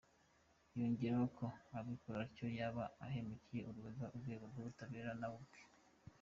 Yongeyeho ko“ubikora atyo yaba ahemukira urugaga, urwego rw’ubutabera nawe ubwe.